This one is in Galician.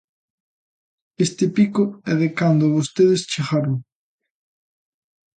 Este pico é de cando vostedes chegaron.